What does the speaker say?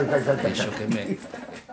一生懸命。